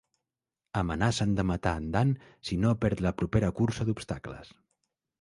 Amenacen de matar en Dan si no perd la propera cursa d'obstacles.